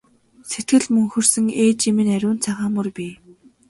Сэтгэлд мөнхөрсөн ээжийн минь ариун цагаан мөр бий!